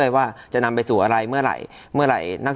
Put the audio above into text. แล้วจะดันทรีมิตไปถึงไหนบ้าง